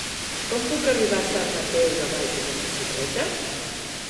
Com puc arribar a Sant Mateu de Bages amb bicicleta?